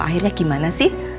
akhirnya gimana sih